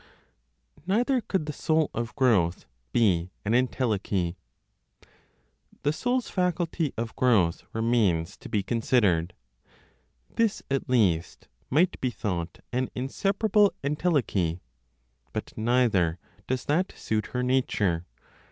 NEITHER COULD THE SOUL OF GROWTH BE AN ENTELECHY. The soul's faculty of growth remains to be considered. This at least might be thought an inseparable entelechy. But neither does that suit her nature.